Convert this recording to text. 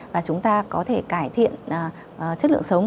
và chúng ta có thể cải thiện chất lượng sống